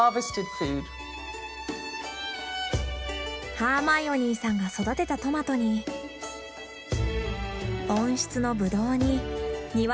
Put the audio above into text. ハーマイオニーさんが育てたトマトに温室のブドウに庭のリンゴ。